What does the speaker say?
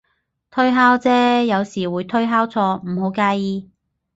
推敲啫，有時會推敲錯，唔好介意